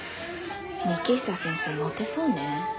幹久先生モテそうね。